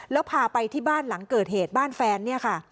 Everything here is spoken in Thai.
แล้วพาไปที่บ้านหลังเกิดเหตุบ้านแฟนเนี่ยค่ะ